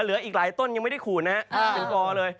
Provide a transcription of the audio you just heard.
เหลืออีกหลายต้นยังไม่ได้ขูดนะฮะเป็นกอเลย